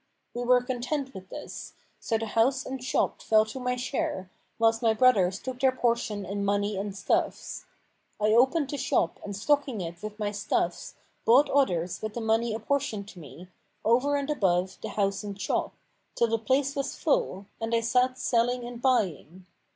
We were content with this; so the house and shop fell to my share, whilst my brothers took their portion in money and stuffs. I opened the shop and stocking it with my stuffs bought others with the money apportioned to me, over and above the house and shop, till the place was full, and I sat selling and buying.